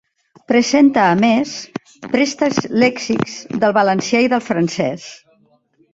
Presenta a més préstecs lèxics del valencià i del francès.